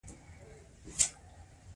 دا ګټه له با کیفیته ځمکې څخه په لاس راځي